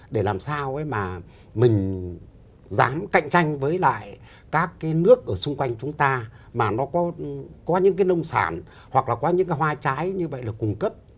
để làm sao mà mình dám cạnh tranh với lại các cái nước ở xung quanh chúng ta mà nó có những cái nông sản hoặc là có những cái hoa trái như vậy là cung cấp